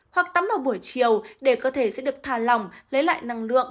hoặc tắm ở buổi chiều để cơ thể sẽ được thà lòng lấy lại năng lượng